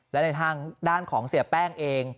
และในทางด้านของเสียแป้งเอง